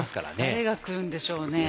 誰が来るんでしょうね。